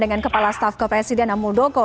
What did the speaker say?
dengan kepala staf kepresiden amuldoko